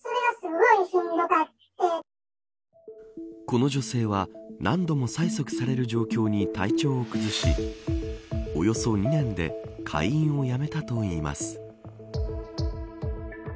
この女性は何度も催促される状況に体調を崩しおよそ２年で会員をやめたといいます。